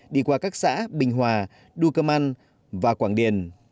đi qua các xã bình hòa đu cơ man và quảng điền